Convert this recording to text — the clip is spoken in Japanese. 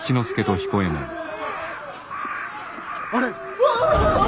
あれ！